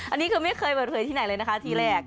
อันนี้คือไม่เคยเปิดเผยที่ไหนเลยนะคะที่แรก